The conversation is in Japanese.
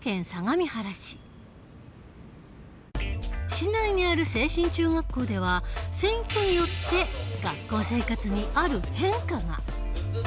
市内にある清新中学校では選挙によって学校生活にある変化が。